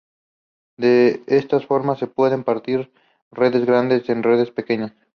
De esta forma se pueden partir redes grandes en redes más pequeñas.